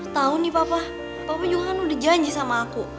tahu nih papa papa yuhan udah janji sama aku